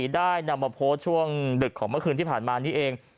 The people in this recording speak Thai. ได้นำมาโพสต์ช่วงดึกของเมื่อคืนที่ผ่านมานี้เอง